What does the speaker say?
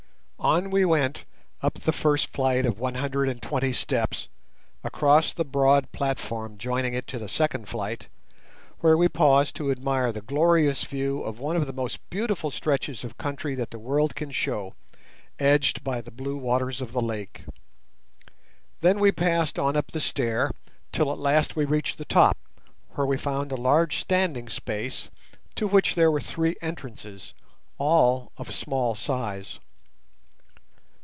On we went up the first flight of one hundred and twenty steps, across the broad platform joining it to the second flight, where we paused to admire the glorious view of one of the most beautiful stretches of country that the world can show, edged by the blue waters of the lake. Then we passed on up the stair till at last we reached the top, where we found a large standing space to which there were three entrances, all of small size.